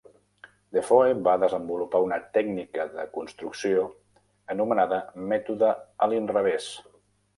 Defoe va desenvolupar una tècnica de construcció anomenada mètode "a l'inrevés".